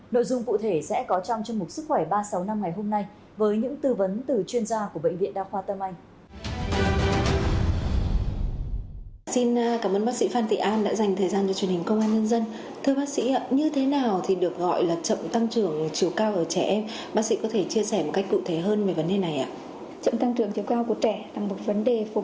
nội dung cụ thể sẽ có trong chương mục sức khỏe ba trăm sáu mươi năm ngày hôm nay với những tư vấn từ chuyên gia của bệnh viện đa khoa tâm anh